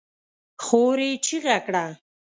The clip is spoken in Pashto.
خور يې چيغه کړه!